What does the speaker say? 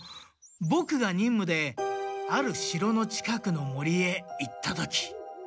ボクが任務である城の近くの森へ行った時。